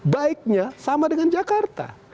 baiknya sama dengan jakarta